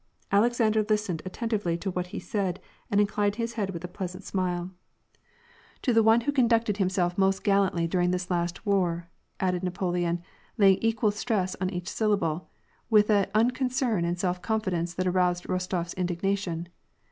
Alexander listened attentively to what he said, and in clined his head with a pleasant smile. 160 ^AR AND PEACE. ^' To the one who conducted himself most gallantly during this last war/' * added Napoleon, laying equal stress on each syllable, with an unconcern and self confidence that aroused Eostof s indignation.